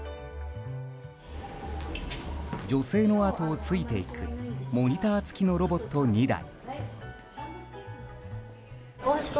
女性の後をついていくモニター付きのロボット２台。